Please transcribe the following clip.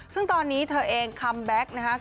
ซึ่งตอนนี้เธอเองคัมแบ็คนะครับ